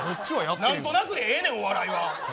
何となくでええねん、お笑いは。